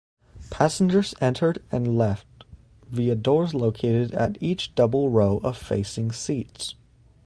Passengers entered and left via doors located at each double row of facing seats.